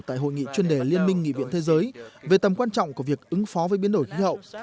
tại hội nghị chuyên đề liên minh nghị viện thế giới về tầm quan trọng của việc ứng phó với biến đổi khí hậu